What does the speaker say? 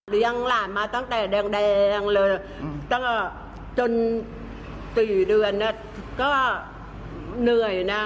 เลี้ยงหลานมาตั้งแต่แดงเลยจน๔เดือนเนี่ยก็เหนื่อยนะ